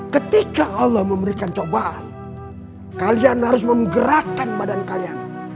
ketika allah memberikan cobaan kalian harus menggerakkan badan kalian